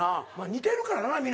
似てるからな皆。